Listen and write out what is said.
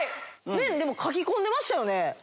麺でもかき込んでましたよね？